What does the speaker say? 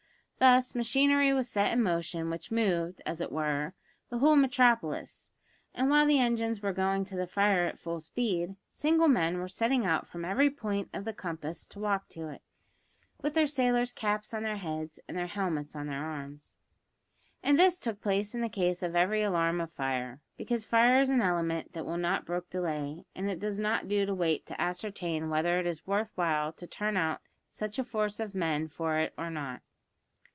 Thus machinery was set in motion which moved, as it were, the whole metropolis; and while the engines were going to the fire at full speed, single men were setting out from every point of the compass to walk to it, with their sailors' caps on their heads and their helmets on their arms. And this took place in the case of every alarm of fire, because fire is an element that will not brook delay, and it does not do to wait to ascertain whether it is worth while to turn out such a force of men for it or not.